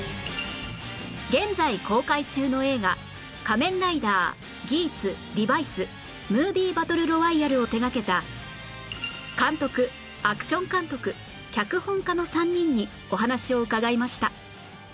現在公開中の映画『仮面ライダーギーツ×リバイス ＭＯＶＩＥ バトルロワイヤル』を手掛けた監督アクション監督脚本家の３人にお話を伺いました